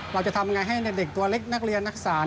เราจะทำอย่างไรให้ในเด็กตัวเล็กนักเรียนนักศา